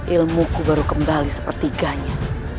ilmu ku baru kembali seperti ganya